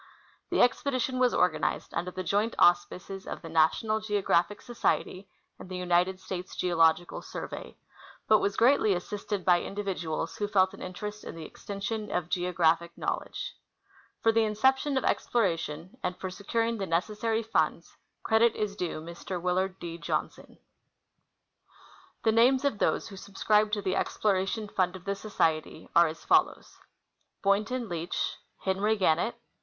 The expedition was organized under the joint auspices of the National Geographic Society and the United States Geological Survey, but was greatly assisted by individuals who felt an in terest in the extension of geographic knowledge. For the incep tion of exploration and for securing the necessary funds, credit is due Mr. Willard D. Johnson. The names of those who subscribed to the exploration fund of the Society are as follows : Boynton Leach. Henry Gannett.